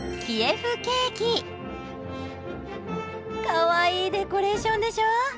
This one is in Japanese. かわいいデコレーションでしょう！